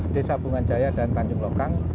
desa bunganjaya dan tanjung lokang